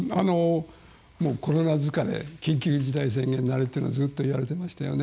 コロナ疲れ緊急事態宣言慣れというのはずっと言われていましたよね。